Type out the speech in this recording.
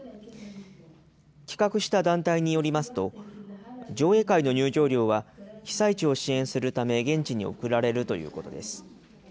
企画した団体によりますと、上映会の入場料は、被災地を支援するため現地に送られるということです。